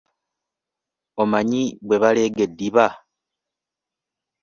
Omanyi bwe baleega eddiba?